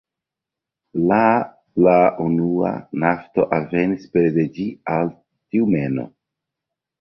La la unua nafto alvenis pere de ĝi al Tjumeno.